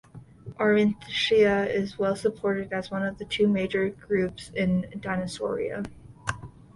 Ornithischia is well-supported as one of the two major groups in the Dinosauria.